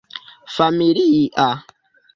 familia